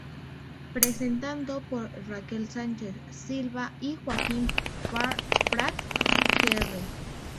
Presentado por Raquel Sánchez-Silva y Joaquin Prat jr.